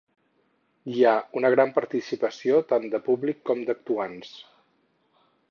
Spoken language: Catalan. Hi ha una gran participació tant de públic com d'actuants.